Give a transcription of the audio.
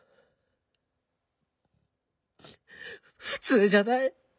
普通じゃない。